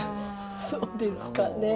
そうですかねえ。